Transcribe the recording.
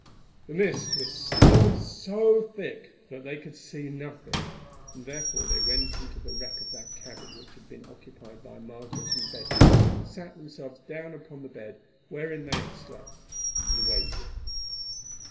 The mist was still so thick that they could see nothing, and therefore they went into the wreck of that cabin which had been occupied by Margaret and Betty, sat themselves down upon the bed wherein they had slept, and waited.